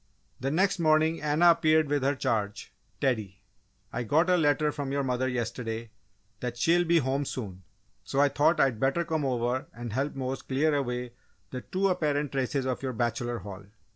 The next morning Anna appeared with her charge, Teddy. "I got a letter from your mother yesterday that she'll be home soon, so I thought I'd better come over and help Mose clear away the too apparent traces of your 'bachelor hall.